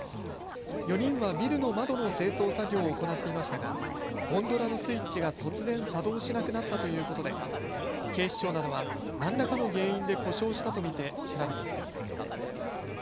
４人はビルの窓の清掃作業を行っていましたがゴンドラのスイッチが突然作動しなくなったということで、警視庁などは何らかの原因で故障したと見て調べています。